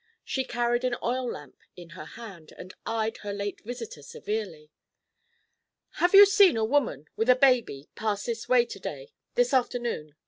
She carried an oil lamp in her hand and eyed her late visitor severely. "Have you seen a woman with a baby pass this way to day—this afternoon?"